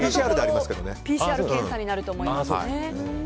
ＰＣＲ検査になると思います。